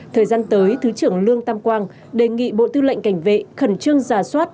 thời gian tới thứ trưởng lương tam quang đề nghị bộ tư lệnh cảnh vệ khẩn trương giả soát